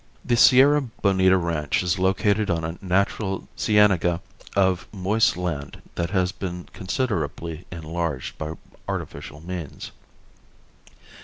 The Sierra Bonita ranch is located on a natural cienega of moist land that has been considerably enlarged by artificial means.